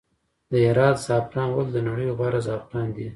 د هرات زعفران ولې د نړۍ غوره زعفران دي؟